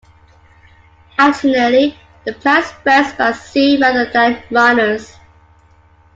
Additionally the plant spreads by seed rather than by runners.